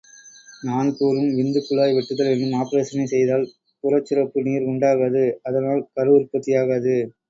நான் கூறும் விந்துக்குழாய் வெட்டுதல் என்னும் ஆப்பரேஷனைச் செய்தால் புறச்சுரப்பு நீர் உண்டாகாது, அதனால் கருவுற்பத்தியாகாது.